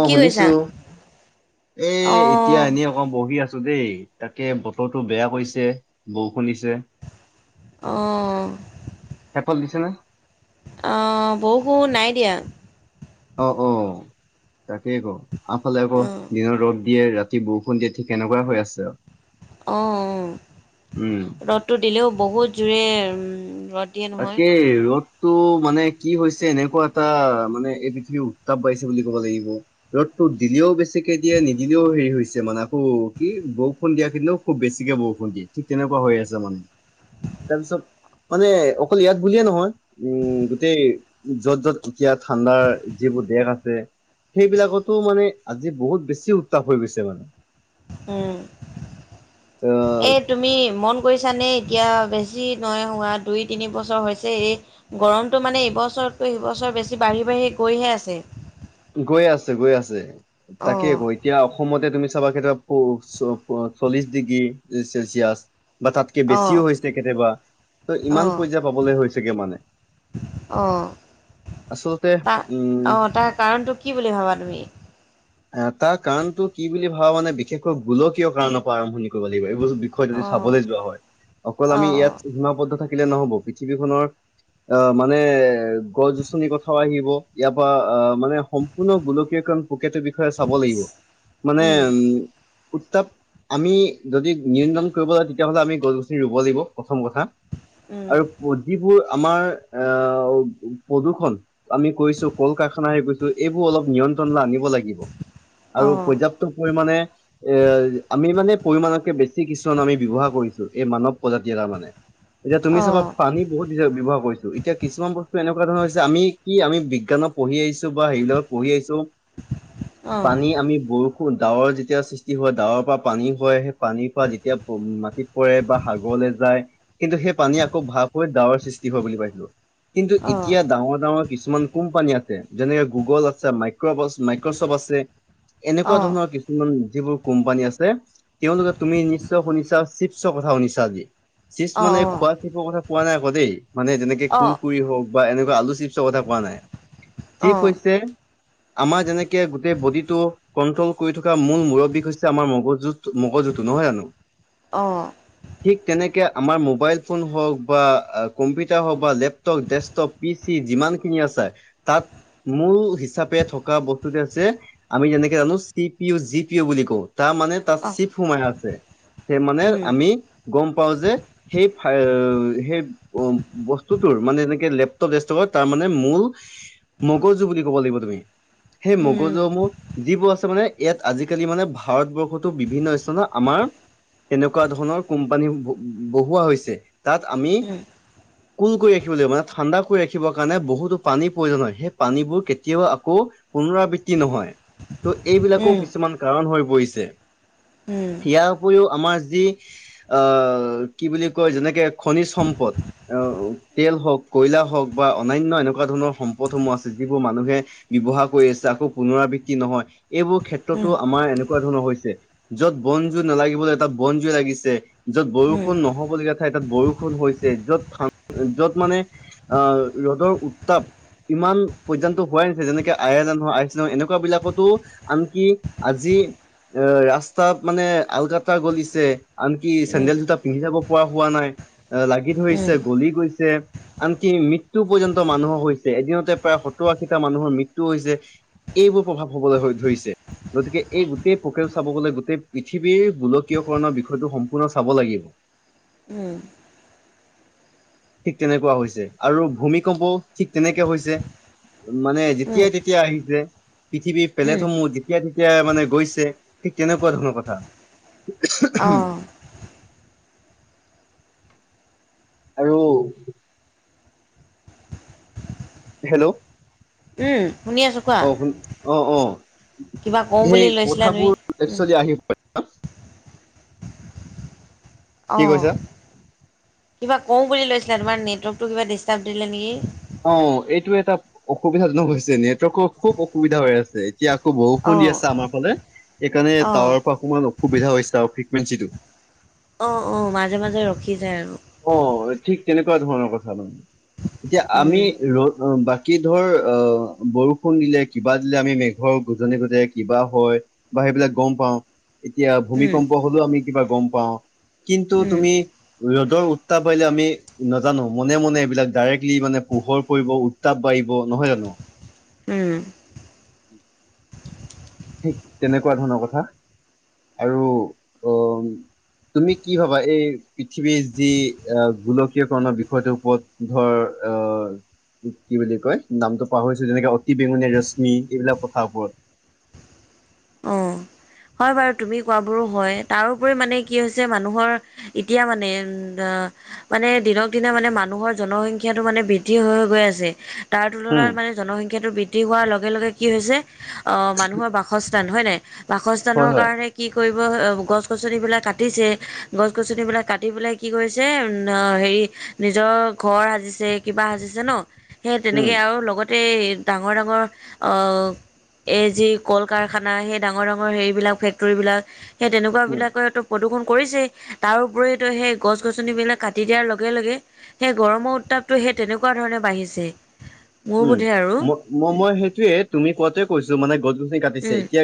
অ কি কৰিছা? শুনিছো এই অ এতিয়া এনে অ বহি আছো দেই তাকে বতৰটো বেয়া কৰিছে বৰষুণ দি। অহ সেইফালে দিছেনে? অ বৰষুণ নাই দিয়া। অ অহ তাকেই আকৌ আমাৰ ফালে আকৌ অ অ দিনত ৰ'দ দিয়ে ৰা তি বৰষুণ দিয়ে ঠিক এনেকুৱাই হৈ আছে আৰু অহ অ উম ৰ'দটো দিলেও বহুত জোৰে উম ৰ'দ দিয়ে নহয় তাকে ৰ'দ তটো মানে কি হৈছে এনেকুৱা এটা মানে এই পৃথিৱীৰ উত্তাপ বাঢ়িছে বুলি ক'ব লাগিব। ৰ'দতো দিলেও বেছিকে দিয়ে নিদিলেও হেৰি হৈছে মানে আকৌ কি বৰষুণ দিয়া কিন্তু খুব বেছিকে বৰষুণ দিয়ে ঠিক তেনেকুৱা হৈ আছে মানে তাৰপিছত মানে অকল ইয়াত বুলিয়ে নহয় উম, গোটেই য'ত য'ত এতিয়া ঠাণ্ডাৰ যিবোৰ দেশ আছে। সেইবিলাকতো মানে আজি বহুত বেছি উত্তাপ হৈ গৈছে মানে। উম, আহ এই তুমি মন কৰিছানে এতিয়া বেছি নৈ হোৱা দুই তিনি বছৰ হৈছে এই গৰমটো মানে এইবছৰতকৈ হেই বছৰ বেছি বাঢ়ি, বাঢ়ি গৈহে আছে। গৈ আছে গৈ আছে অ তাকে কৈ এতিয়া অসমতে তুমি চাবা কেতি চল্লিশ ডিগ্ৰী চেলচিয়াছ। বা তাতকে অ বেছিও হৈছে কেতিয়াবা ত' অ ইমান পৰ্যা পাবলৈ হৈছেগে মানে। অ আচলতে তাৰ অ উম তাৰ কাৰণটো কি? কি বুলি ভাবা তুমি? এ তাৰ কাৰণতটো কি বুলি ভাবা মানে বিশেষকৈ গোলকীয় কাৰণৰ পৰা আৰম্ভণি কৰিব লাগিব। অ বিষয়টোদি চাবলৈ যোৱা হয় অকল অ আমি ইয়াত অ' সীমাবদ্ধ থাকিলে নহব পৃথিৱীখনৰ অ', মানে গছ গছনিৰ কথাও আহিব ইয়াৰ পৰা অ', মানে সম্পূৰ্ণ গোলকীয়কৰণ পকেটোৰ বিষয়ে চাব লাগিব মানে উম, উত্তাপ আমি যদি নিয়ন্ত্ৰণ কৰিব লাগে তেতিয়াহ'লে আমি গছ-গছনি ৰুব লাগিব প্ৰথম কথা। উম আৰু যিবোৰ আমাৰ এঅঁ, প্ৰদূৰ্ষণ আমি কৰিছো কল কাৰখানা হেই কৰিছো ত' এইবোৰ অলপ নিয়ন্ত্ৰণলৈ আনিব লাগিব। অ আৰু পৰ্যাপ্ত পৰিমাণে এ আমি মানে পৰিমানতকে বেছি কিছুমান আমি ব্যৱহাৰ কৰিছো, এই মানৱ প্ৰজাতি তাৰমানে। এতিয়া তুমি চাবা অ পানীত বহুত ব্য ব্যৱহাৰ কৰিছো এতিয়া কিছুমান বস্তু এনেকুৱা ধৰণৰ হৈছে আমি কি আমি বিজ্ঞানত পঢ়ি আহিছ বা সেৰি লগত পঢ়ি আহিছো, অ পানী আমি বৰ ডাৱৰ যেতিয়া সৃষ্টি হয়, ডাৱৰ পৰা পানী হয়, সেই পানীৰ পৰা যেতিয়া প মাটিত পৰে বা সাগৰলে যায়, কিন্তু সেই পানী অ', আকৌ ভাপ হৈ ডাৱৰ সৃষ্টি হয় বুলি পাইছো, কিন্তু অ', এতিয়া ডাঙৰ ডাঙৰ কিছুমান কোম্পানী আছে যেনেকে গুগল আছে মাইক্ৰবচ মাইক্ৰচফট আছে এনেকুৱা অ', ধৰণৰ কি ওম, যিবোৰ কোম্পানী আছে তেওঁলোকে তুমি নিশ্চয় শুনিছা, চিপছ কথা শুনিছা আজি। চিচ মানে খোৱা চিপৰ কথা পোৱা নাই আকৌ দেই, মানে যেনেকে অ', কুৰকুৰি হওঁক বা এনেকুৱা আলু চিপছৰ কথা কোৱা নাই। চিপছ হৈছে আমাৰ যেনেকে গোটেই বডিটো কণ্ট্ৰল কৰি থকা মূল মূৰব্বী হৈছে আমাৰ মগজুঁ মোকজটো নহয় জানো? অ', ঠিক তেনেকে আমাৰ মোবাইল ফোন হওঁক বা আ কম্পিউটাৰ হওঁক বা লেপটপ, ডেস্কটপ পি, চি যিমান খিনি আছে, তাত মো হিচাপে থকা বস্তুটো হৈছে আমি যেনেকে জানো C P U, G P U বুলি কওঁ তা মানে এটা অ', চিপ সোমাই আছে, সেই মানে উম, আমি গ'ম পাওঁ যে সেই ফাইঅ সেই অ', বস্তুটোৰ তাৰমানে এনেকে লেপটপ দেচটপৰ তাৰ মানে মোৰ মগজু বুলি ক'ব লাগিব তুমি, সেই উম, মগজুসমূহ যিবোৰ আছে মানে ইয়াত আজিকালি মানে ভাৰতবৰ্ষতো বিভিন্ন স্থানত আমাৰ তেনেকুৱা ধৰণৰ কোম্পানী ব বহোৱা হৈছে। তাত আমি উম, কুল কৰি ৰাখিব লাগিব। মানে ঠাণ্ডা কৰি ৰাখিবৰ কাৰণে বহুতো পানীৰ প্ৰয়োজন হয় সেই পানীবোৰ কেতিয়াও আকৌ পুনৰাবৃত্তি নহয়, ত' এইবিলাকো উম, কিছুমান কাৰণ হৈ পৰিছে, উম, ইয়াৰ উপৰিও আমাৰ যি আ, কি বুলি কয়, যেনেকে খনিজ সম্পদ। অ তেল হওঁক, কয়লা হওঁক বা অনান্য এনেকুৱা ধৰণৰ সম্পদসমূহ আছ যিবোৰ মানুহে ব্যৱহাৰ কৰি আছে আকৌ পুনৰাবৃত্তি নহয় এইবোৰ ক্ষেত্ৰতো আমাৰ এনেক নেকুৱা ধৰণৰ হৈছে য'ত বন জুই নালাগিব লগীয়া তাত বন জুই লাগিছে য'ত উম, বৰষুণ নহ'ব লগীয়া ঠাই তাত বৰষুণ হৈছে, য'ত য'ত মানে আঁ, ৰ'দৰ উত্তাপ ইমান পৰ্যন্ত হোৱাই নাছিলে যেনেকে আইয়াৰলেন আইচলেন হ'ক এনেকুৱা বিলাকতো আনকি আজি এ ৰাস্তাত মানে আলকাটৰা গলিছে, আনকি চেন্দেল যোটা পিন্ধি যাব পৰা হোৱা নাই, এ লাগি ধৰিছে গলি গৈছে। আনকি মৃত্যু পৰ্যন্ত মানুহৰ হৈছে। এদিনতে প্ৰায় সত্তৰ আশীটা মানুহৰ মৃত্যু হৈছে। এইবোৰ প্ৰভাৱ হ'বলৈ ধৰিছে। গতিকে এই গোটেই পক্ৰিয়াটো চাব গ'লে গোটেই পৃথিৱীৰ গোলকীয়কৰণৰ বিষয়টো সম্পূৰ্ণ চাব লাগিব। [inaudible] উম ঠিক তেনেকুৱা হৈছে আৰু ভূমিকম্পও ঠিক তেনেকে হৈছে। মানে যেতিয়াই তেতিয়া আহিছে পৃথিৱীৰ পেলেট সমূহ যে তেতিয়া তেতিয়া মানে গৈছে, ঠিক তেনেকুৱা ধৰণৰ কথা। অঁ' আৰু হেল্ল' উম শুনি আছো অ শুন অ অ কিবা কওঁ সেই বুলি লৈছিলা কথাবোৰ তুমি? একচুৱেলি আহি কি অঁ কৈছা? কিবা কওঁ বুলি লৈছিলে তোমাৰ নেটৱৰ্কটো কিবা ডিষ্টাৰ্ব দিলে নেকি অ এইটো এটা অসুবিধাজনক হৈছে নেটৱৰ্ খুব অসুবিধা হৈ আছে এতিয়া আকৌ বৰুষুণ দি আছে আমাৰ ফালে সেইকাৰণে অ', টাৱাৰৰ পৰা অকণমান অসুবিধা হৈছে ফ্ৰিকুৱেঞ্চি টো অ অ মাজে মাজে ৰখি যায় আৰু অ ঠিক তেনেকুৱা ধৰণৰ কথা মানে এতিয়া আমি উম, ৰ বা কি ধৰ অ বৰষুণ দিলে কিবা দিলে আমি মেঘৰ গুজি গজ কিবা হয় বা সেইবিলাক গম পাও এতিয়া উম, ভূমিকম্প হলেও আমি কিবা গম পাওঁ কিন্তু উম, তুমি ৰ'দৰ উত্তাপ পাৰলে আমি নাজানো মনে মনে এইবিলাক ডাইৰেক্টলি মানে পোহৰ কৰিব উত্তাপ বাঢ়িব নহয় জানো উম উম ঠিক তেনেকুৱা ধৰণৰ কথা আৰু অ তুমি কি ভাবা এই পৃথিৱীৰ যি গোলকীয়কৰণৰ বিষয়টোৰ ওপৰত ধৰ আহ কি বুলি কয় নামটো পাহৰিছো যেনেকে অতি বেঙুনীয়া ৰশ্মি এইবিলাক কথাৰ ওৰত অঁ হয় বাৰু তুমি কোৱা বোৰো হয় তাৰপৰি মানে কি হৈছে মানুহৰ এতিয়া মানে উম মানে দিনক দিনা মানে মানুহৰ জনসংখ্যাটো মানে বৃদ্ধি হৈ গৈ আছে তাৰ উম তুলনাত মানে জনসংখ্যাটো বৃদ্ধি হোৱাৰ লগে লগে কি হৈছে আহ মানুহৰ বাস বাসস্থান হয়নে হয় বাসস্থানৰ হয় কাৰণে কি কৰিব গছ গছনিবিলাক কাটিছে গছ গছনিবিলাক কাটি পেলাই কি কৰিছে হেৰি নিজৰ ঘৰ সাজিছে কিবা সাজিছে ন সেই উম তেনেকে আৰু লগত গো ডাঙৰ ডাঙৰ অ এই যি কল কাৰখানা সেই ডাঙৰ ডাঙৰ ডাঙৰ হেৰিবিলাক ফেক্টৰী বিলাক সেই তেনেকুৱা উম বিলাকৰে প্ৰদূষণ কৰিছেই তাৰ উপৰিতো সেই গছ গছনিবিলাক কাটি দিয়াৰ লগে লগে সেই গৰমৰ উত্তাপটো সেই তেনেকুৱা ধৰণে বাঢ়িছে মোৰ উম বোধে আৰু ম ম মই সেইটোয়ে তুমি কোৱাটোৱে কৈছো মানে গছ গছনি কাটিছে উম এতিয়া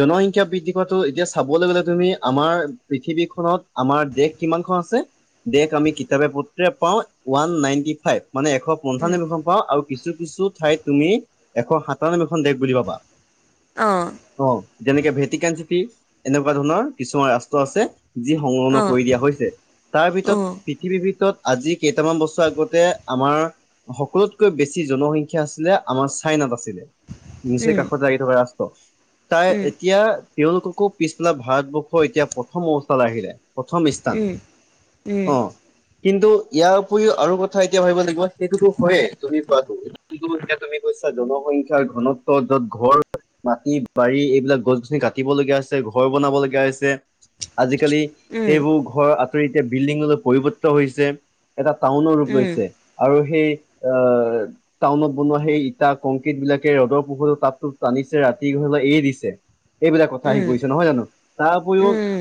জনসংখ্যা বৃদ্ধি পোৱাাতটো এতিয়া চাবলৈ গ'লে তুমি আমাৰ পৃথিৱীখনত আমাৰ দেশ কিমানখন আছে দেশ আমি কিতাপে পত্ৰে পাওঁ ওৱান নাইনটি ফাইভ মানে এশ উম পঞ্চানব্বৈ খন পাওঁ আৰু কিছু কিছু ঠাইত তুমি এশ সাতান্নব্বৈখন দেশ বুলি পাবা অঁ অ যেনেকে ভেটিকান চিটি এনেকুৱা ধৰণৰ কিছুমান ৰাষ্ট্ৰ আছে যি সংলগন অঁ কৰি দিয়া হৈছে তাৰ ভিতৰত অঁ পৃথিৱীৰ ভিতৰত আজি কেইটামান বছৰ আগতে আমাৰ সকলোতকৈ বেছি বেছি জনসংখ্যা আছিলে আমাৰ চাইনাত আছিলে নিচে উম কাষত লাগি থকা ৰাষ্ট্ৰ তাই উম এতিয়া তেওঁলোককো পিছফালা ভাৰতবৰ্ষৰ এতিয়া প্ৰথম অৱস্থালৈ আহিলে প্ৰথম স্থান উম উম অঁ কিন্তু ইয়াৰ উপৰিও আৰু কথা এতিয়া ভাবিব লাগিব সেইটোতো হয়য়ে তুমি এতিয়া তুমি কৈছা জনসংখ্যাৰ ঘনত্ব য'ত ঘৰ মাটি বাৰী এইবিলাক গছ গছনি কাটিব লগীয়া হৈছে ঘৰ বনাব লগীয়া হৈছে আজিকালি উম সেইবোৰ ঘৰৰ আঁতৰি এতিয়া বিল্ডিংলৈ পৰিৱৰ্ত হৈছে। এটা টাউনৰ উম ৰূপ উম লৈছে আৰু সেই অ - টাউনত বনোৱা সেই ইটা কংক্ৰিট বিলাকে ৰ'দৰ পোহৰো টাপ টোপ টানিছে ৰাতি হ'লে এৰি দিছে এইবিলাক কথা আহি উম পৰিছে নহয় জানো, তাৰ উপৰিও উম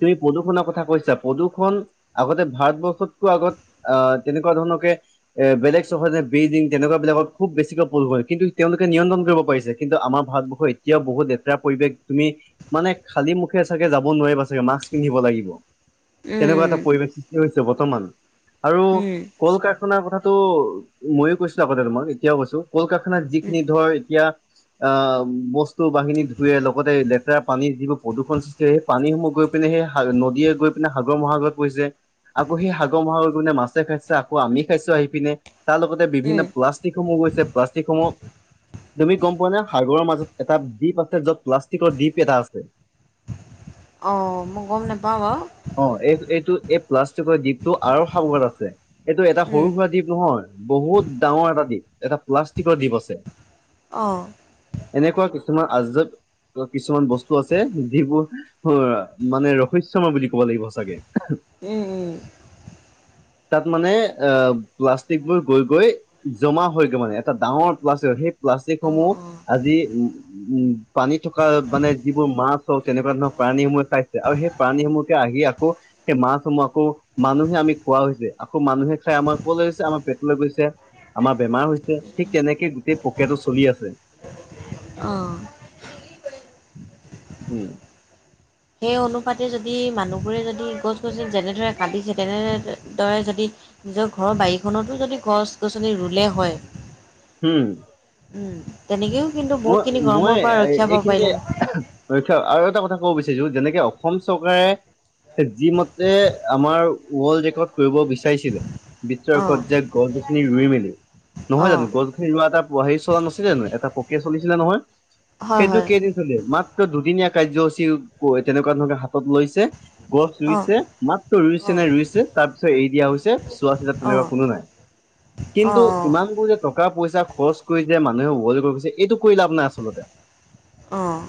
তুমি প্ৰদূৰষণৰ কথা কৈছা, প্ৰদূষণ আগতে ভাৰতবৰ্ষতকৈ আগত আহ তেনেকুৱা ধৰণকে এ বেলেগ চহৰে বেইজিং তেনেকুৱাবিলাকত খুব বেছিকৈ পৰিবৰ্তন হ'ল, কিন্তু তেওঁলোকে নিয়ন্তণ কৰিব পাৰিছে কিন্তু আমাৰ ভাৰবৰ্ষই এ- তিয়াও বহুত লেতেৰা পৰিৱেশ, তুমি মানে খালী মুখে চাগে যাব নোৱাৰিবা চাগে মাস্ক পিন্ধিব লাগিব। তেনেকুৱা এটা পৰিৱেশ সৃষ্টি হৈছে বৰ্তমান, আৰু উম উম কল কাৰখানাৰ কথাটো মইয়ো কৈছো আগতে তোমাক এতিয়াও কৈছো কলকাৰখানাত যিখিনি ধৰ এতিয়া অ বস্তু বাহিনী ধুৱে লগতে লেতেৰা পানী যিবোৰ প্ৰদূষণ সৃষ্টি কৰে পানীসমূহ গৈ পিনে সেই সা নদীয়ে গৈ পিনে সাগৰ মহাসাগৰত পৰিছে আকৌ সেই সাগৰ মহাসাগৰ গৈ পিনে মাছে খাইছে আকৌ আমি খাইছো আহি পিনে তাৰ লগতে উম বিভিন্ন প্লা- ষ্টিকসমূহ গৈছে প্লাষ্টিকসমূহ তুমি গম পোৱা নে সাগৰৰ মাজত এটা দ্বীপ আছে যত প্লাষ্টিকৰ দ্বীপ এটা আছে। অ মই গম নাপাও বাৰু! অ এই এইটো এই প্লাষ্টিকৰ দ্বীপটো আৰৱসাগৰত আছে এইটো এটা সৰু সুৰা দ্বীপ নহয়। বহুত ডাঙৰ এটা দ্বীপ এটা প্লাষ্টিকৰ দ্বীপ আছে। অঁ। এনেকুৱা কিছুমান আজব কিছুমান বস্তু আছে যিবোৰ হৌৰা মানে ৰহস্যময় বুলি ক'ব লাগিব সঁচাকে উম উম। তাত মানে অ প্লা- ষ্টিক বোৰ গৈ গৈ জমা হয়গৈ মানে, এটা ডাঙৰ প্লাষ্টিকৰ সেই প্লাষ্টিক অঁ সমূহ অঁ আজি উ উম - পানী থকা মানে যিবোৰ মাছ হওক তেনেকুৱা ধৰণৰ প্ৰাণীসমূহে খাইছে আৰু সেই প্ৰাণীসমূহকে আহি আকৌ - সেই মাছসমূহ আকৌ মানুহে আমি খোৱা হৈছে আকৌ মানুহে খাই আমাৰ কলে গৈছে আমাৰ পেটলে গৈছে আমাৰ বেমাৰ হৈছে ঠিক তেনেকে গোটেই প্ৰক্ৰীয়াটো চলি আছে। অ। উম। সেই অনুপাতে যদি মানুহবোৰে যদি গছ গছনি যেনেদৰে কান্দিছে তেনেদৰে যদি - নিজৰ ঘৰ বাৰীখনতো যদি গছ গছনি ৰুলে হয়, ওম ওম তেনেকেও কিন্তু মই বহুতখিনি মই গৰমৰ পৰা ৰক্ষা পাব এইখিনিতে পাৰিলেহেঁতেন - [unintelligible] আৰু এটা কথা ক'ব বিচাৰিছো যেনেকে অসম চৰকাৰে যি মতে আমাৰ ৱৰ্ল্ড ৰেকৰ্ড কৰিব বিচ- চাৰিছিলে বিশ্ব অঁ ৰেকৰ্ড যে গছ গছনি ৰুই মেলি নহয় অঁ জানো গছ গছনি ৰুৱা এটা হেৰি চলা নাছিলে জানো এটা প্ৰক্ৰিয়া চলিছিলে নহয়। হয় সেইটো হয় কেইদিন চলিল মাত্ৰ দুদিনীয়া কাৰ্যসূচী কৰি, তেনেকুৱা ধৰণকে হাতত লৈছে গছ অঁ ৰুইছে মাত্ৰ ৰুইছে অঁ নাই ৰুইছে তাৰ পিছত এৰি দিয়া হৈছে চোৱা চিতা তেনেকুৱা অঁ কোনো নাই কিন্তু অঁ ইমানবোৰ যে ট- কা প‌ইচা খৰচ কৰি যে মানুহে ৱৰ্ল্ড ৰেকৰ্ড গঢ়িছে, এইটো কৰি লাভ নাই আচলতে অঁ অঁ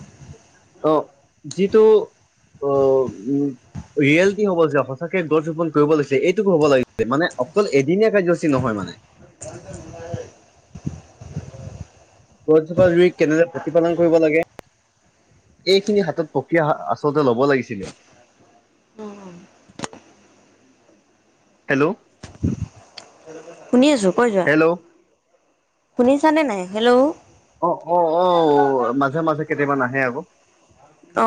অ যিটো অ উম ৰিয়েলিটি হ'ব লাগিছিলে, সঁচাকে গছ ৰোপন কৰিব লাগিছিলে এইটো হ'ব লাগিছিলে মানে অকল এদিনীয়া কাৰ্যসূচী নহয় মানে। [unintelligible] গছ জোপা ৰুই কেনেদৰে প্ৰতিপালন কৰিব লাগে এইখিনি হাতত প্ৰক্ৰিয়া আচলতে ল'ব লাগিছিলে। [inaudible] হেল্ল' শুনি আছো কৈ যোৱা। হেল্ল' শুনিছানে নাই? হেল্ল'। অ-অ-অ মাজে মাজে কেইয়াবা আহে আকৌ। অ।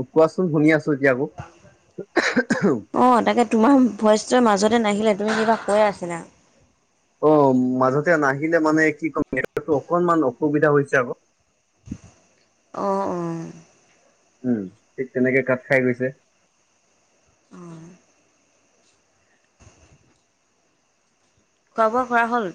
কোৱাচোন শুনি আছো এতিয়া আকৌ। [unintelligible] অ তাকে তোমাৰ ভইচটো মাজতে নাহিলে তুমি কিবা কৈ আছিলা। অ মাজতে নাহিলে মানে কি ক'ম [unintelligible] অকনমান অসুবিধা হৈছে আকৌ। অ অ উম ঠিক তেনেকে কাট খাই গৈছে। অ। খোৱা-বোৱা কৰা হ'ল?